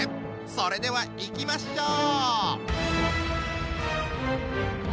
それではいきましょう！